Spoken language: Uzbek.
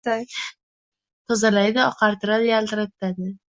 Tozalaydi, oqartiradi, yaltiratadi